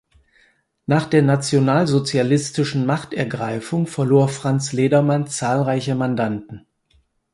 Nach der nationalsozialistischen Machtergreifung verlor Franz Ledermann zahlreiche Mandanten.